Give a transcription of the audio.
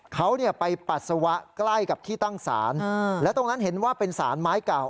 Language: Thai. เขาไปปัสสาวะใกล้กับที่ตั้งศาลและตรงนั้นเห็นว่าเป็นสารไม้เก่า